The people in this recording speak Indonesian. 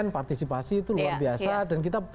partisipasi itu luar biasa dan kita